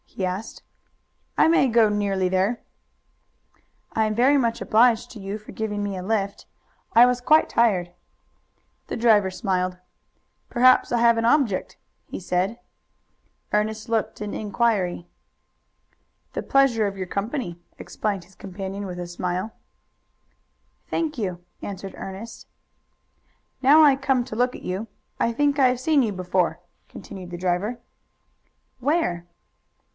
he asked. "I may go nearly there." "I am very much obliged to you for giving me a lift. I was quite tired." The driver smiled. "Perhaps I have an object," he said. Ernest looked an inquiry. "The pleasure of your company," explained his companion with a smile. "Thank you," answered Ernest. "Now I come to look at you, I think I have seen you before," continued the driver. "Where?"